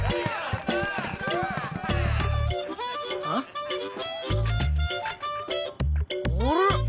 んっあれ？